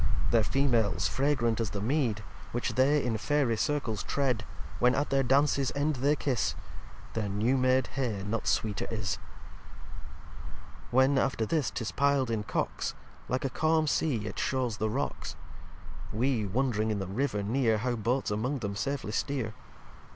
Their Females fragrant as the Mead Which they in Fairy Circles tread: When at their Dances End they kiss, Their new made Hay not sweeter is. lv When after this 'tis pil'd in Cocks, Like a calm Sea it shews the Rocks: We wondring in the River near How Boats among them safely steer.